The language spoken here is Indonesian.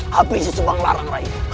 habisi sembang larang raih